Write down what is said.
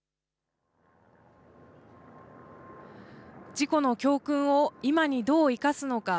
事故の教訓を今にどう生かすのか。